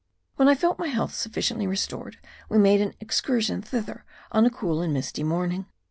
When I felt my health sufficiently restored, we made an excursion thither on a cool and misty morning.